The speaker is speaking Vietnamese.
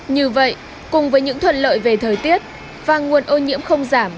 như vậy cùng với những thuận lợi về thời tiết và nguồn ô nhiễm không giảm